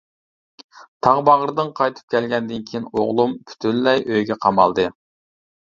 تاغ باغرىدىن قايتىپ كەلگەندىن كىيىن ئوغلۇم پۈتۈنلەي ئۆيگە قامالدى.